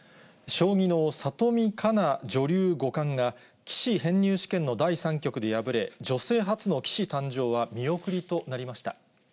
将棋の里見香奈女流五冠で、棋士編入試験の第３局で敗れ、女性初の棋士誕生は見送りとなりました。